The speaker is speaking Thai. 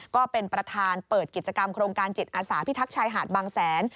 ก็เป็นประธานเปิดกิจกรรมโครงการจิตอาสาพิทักษ์ชายหาดบางแสน